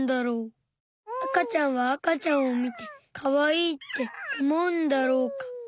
あかちゃんはあかちゃんを見てかわいいって思うんだろうか？